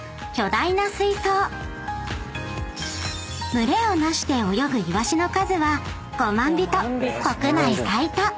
［群れを成して泳ぐイワシの数は５万尾と国内最多］